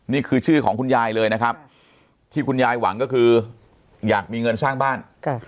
นี่คือชื่อของคุณยายเลยนะครับที่คุณยายหวังก็คืออยากมีเงินสร้างบ้าน